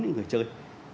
những người chơi